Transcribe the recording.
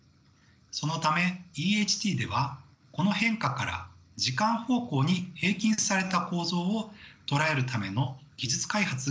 そのためＥＨＴではこの変化から時間方向に平均された構造を捉えるための技術開発が必須となりました。